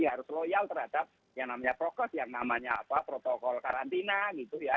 harus loyal terhadap yang namanya prokes yang namanya protokol karantina gitu ya